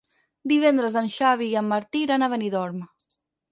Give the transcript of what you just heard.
Divendres en Xavi i en Martí iran a Benidorm.